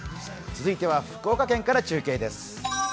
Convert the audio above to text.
続いては福岡県から中継です。